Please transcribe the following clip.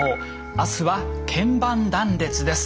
明日は腱板断裂です。